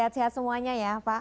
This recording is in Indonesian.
sehat sehat semuanya ya pak